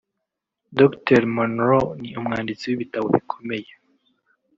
Dr Munroe ni umwanditsi w’ibitabo ukomeye